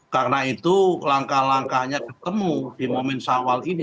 karena itu langkah langkahnya ketemu di momen sahwal ini